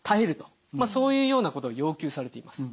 そういうようなことを要求されています。